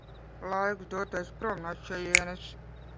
Laiks doties prom no šejienes.